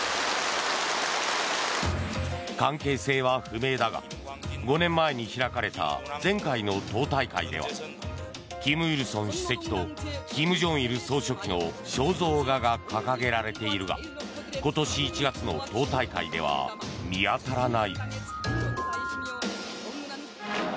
関係性は不明だが５年前に開かれた前回の党大会では金日成主席と金正日総書記の肖像画が掲げられているが今年１月の党大会では見当たらない。